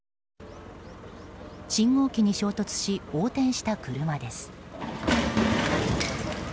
信号機に衝突し横転した車です。